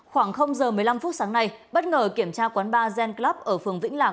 khoảng giờ một mươi năm phút sáng nay bất ngờ kiểm tra quán ba gen club ở phường vĩnh lạc